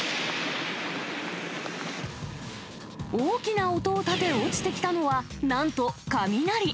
大きな音を立て、落ちてきたのはなんと雷。